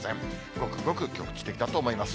ごくごく局地的だと思います。